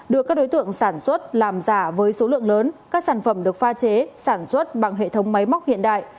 được các đối tượng sản xuất làm giả với số lượng lớn các sản phẩm được pha chế sản xuất bằng hệ thống máy móc hiện đại